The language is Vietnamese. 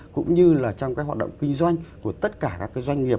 cũng như là trong cái hoạt động kinh doanh của tất cả các doanh nghiệp